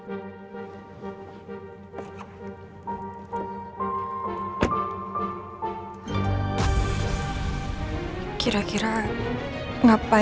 udah mau ke rumah